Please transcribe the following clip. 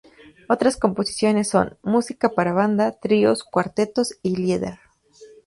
Otras composiciones son: música para banda, tríos, cuartetos y lieder.